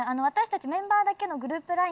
私たちメンバーだけのグループ